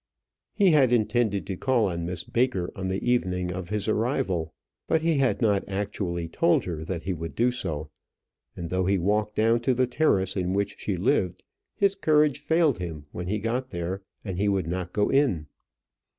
He had intended to call on Miss Baker on the evening of his arrival; but he had not actually told her that he would do so: and though he walked down to the terrace in which she lived, his courage failed him when he got there, and he would not go in.